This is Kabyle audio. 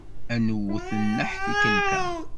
Ad nwet nneḥ tikkelt-a.